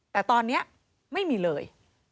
แต่ตอนนี้ไม่มีเลย